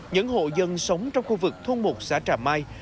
những hộ dân sống trong khu vực thôn một xã trà mai